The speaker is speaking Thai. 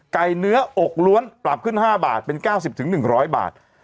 เนื้ออกล้วนปรับขึ้น๕บาทเป็น๙๐๑๐๐บาท